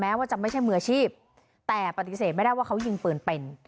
ว่าจะไม่ใช่มืออาชีพแต่ปฏิเสธไม่ได้ว่าเขายิงปืนเป็น